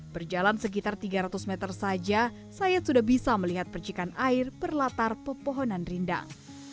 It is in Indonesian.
berjalan sekitar tiga ratus meter saja saya sudah bisa melihat percikan air berlatar pepohonan rindang